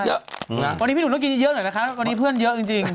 วันนี้พี่หนุ่มต้องกินเยอะหน่อยนะคะวันนี้เพื่อนเยอะจริง